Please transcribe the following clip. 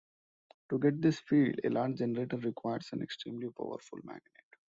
To get this field, a large generator requires an extremely powerful magnet.